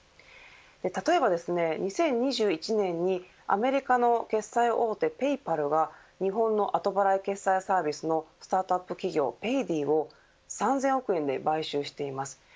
例えば、２０２１年にアメリカの決済大手ペイパルが日本の後払い決済サービスのスタートアップ企業を３０００億円で買収しています。